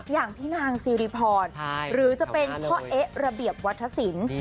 อย่างพี่นางซีริพรหรือจะเป็นพ่อเอ๊ะระเบียบวัฒนศิลป์